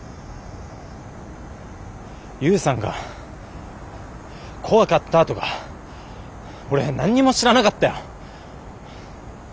悠さんが怖かったとか俺何にも知らなかったよ。